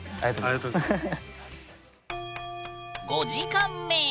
ありがとうございます。